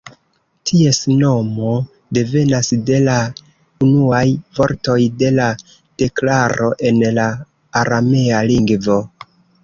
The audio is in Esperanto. Ties nomo devenas de la unuaj vortoj de la deklaro en la aramea lingvo.